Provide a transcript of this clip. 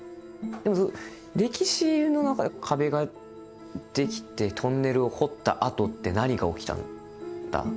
でもその歴史の中で壁が出来てトンネルを掘ったあとって何が起きたんだ？